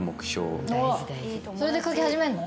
それで書き始めんの？